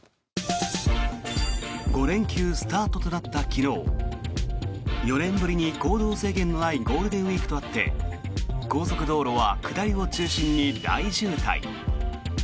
５連休スタートとなった昨日４年ぶりに行動制限のないゴールデンウィークとあって高速道路は下りを中心に大渋滞。